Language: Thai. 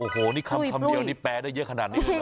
โหนี่คำคำเดียวนี่แปลได้เยอะขนาดนี้หรอ